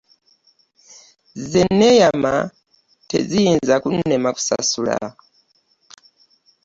Ze nneeyama teziyinza kunnema kusasula.